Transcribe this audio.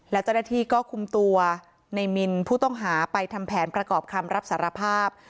และเจ้าหน้าที่ก็คุมตัวในมินผู้ต้องหาไปทำแผนประกอบคำรับสารภาพ